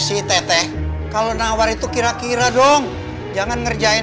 iya kan awarnya kelewatan